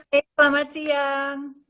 hai selamat siang